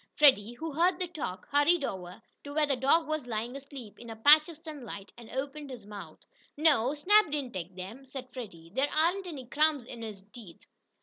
Freddie, who heard the talk, hurried over to where the dog was lying asleep in a patch of sunlight, and opened his mouth. "No, Snap didn't take 'em," said Freddie. "There aren't any crumbs in his teeth."